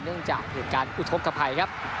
เนื่องจากผลการอุทธกภัยครับ